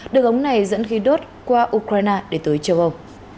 đường ống này dẫn khí đốt qua ukraine để tới châu âu